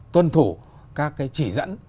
tuân thủ các cái chỉ dẫn